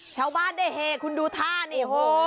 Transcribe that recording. ชาวบ้านได้เฮคุณดูท่านี่โห